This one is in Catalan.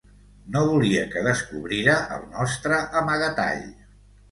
No volia que descobrira el nostre amagatall.